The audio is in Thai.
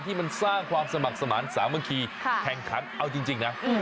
ที่มันสร้างความสมัครสมาธิสามัคคีแข่งขันเอาจริงนะ